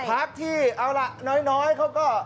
พักที่เอาล่ะน้อยเขาก็